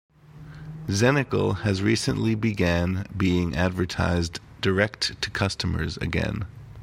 Xenical has recently began being advertised direct-to-customers again.